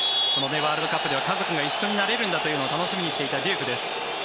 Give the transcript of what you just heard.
ワールドカップでは家族が一緒になれるのを楽しみにしていたデュークです。